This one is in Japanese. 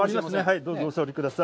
どうぞお座りください。